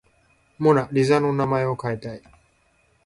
モナ・リザの名前を変えたい